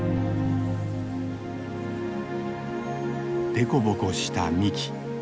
凸凹した幹。